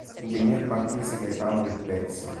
Ing. Marchese Gaetano Del Pezzo.